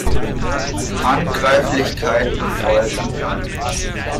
Handgreiflichkeiten folgen.